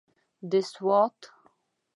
د سوات.